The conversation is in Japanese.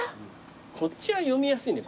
こっちは読みやすいんだよ。